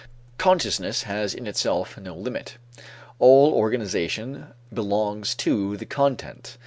Consciousness has in itself no limit; all organization belongs to the content.